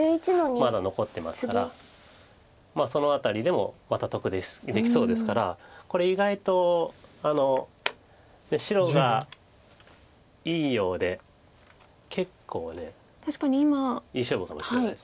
まだ残ってますからその辺りでもまた得できそうですからこれ意外と白がいいようで結構いい勝負かもしれないです。